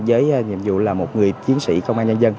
với nhiệm vụ là một người chiến sĩ công an nhân dân